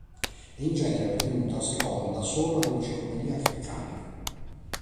È in genere ritenuta seconda solo all"'Enciclopedia Treccani"..